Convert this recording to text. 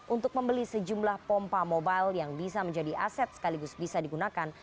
untuk membeli sejumlah pompa mobile yang bisa menjadi aset sekaligus bisa digunakan